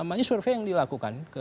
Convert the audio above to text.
namanya survei yang dilakukan